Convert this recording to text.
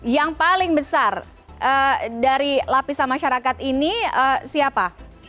yang paling besar dari lapisan masyarakat ini siapa